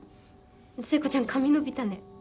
聖子ちゃん髪伸びたね。